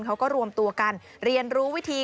เขาก็รวมตัวกันเรียนรู้วิธี